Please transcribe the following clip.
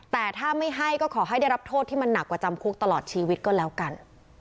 แต่ถ้าไม่ให้ก็ขอให้ได้รับโทษที่มันหนักกว่าจำคุกตลอดชีวิตก็แล้วกัน